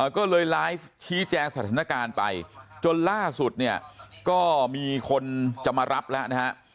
ก็เลยไลฟ์ชี้แจงสถานการณ์ไปจนล่าสุดเนี่ยก็มีคนจะมารับแล้วนะฮะ